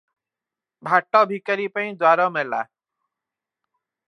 ଭାଟ ଭିକାରୀପାଇଁ ଦ୍ୱାର ମେଲା ।